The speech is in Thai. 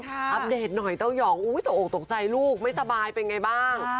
อัปเดตหน่อยเต้ายองตกออกตกใจลูกไม่สบายเป็นไงบ้าง